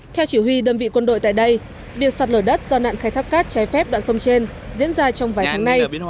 theo chỉ huy đơn vị quân đội tại đây việc sạt lở đất do nạn khai thác cát trái phép đoạn sông trên diễn ra trong vài tháng nay